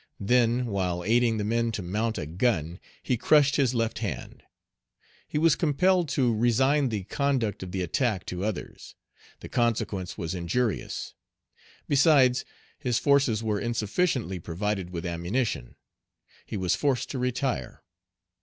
Then, while aiding the men to mount a gun, he crushed his left hand. He was compelled to resign the conduct of the attack to others. The consequence was injurious. Besides, his forces were insufficiently provided with ammunition. He was forced to retire.